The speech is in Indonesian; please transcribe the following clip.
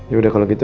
ya udah kalau gitu